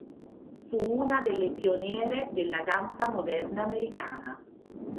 Fu una delle pioniere della danza moderna americana.